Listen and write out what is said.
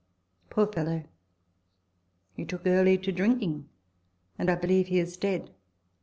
Poor fellow! He took early to drinking, and I believe he is dead."